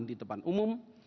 di depan umum